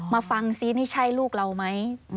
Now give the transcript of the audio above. มาฟังซินี่ใช่ลูกเราไหม